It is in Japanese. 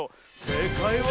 せいかいは。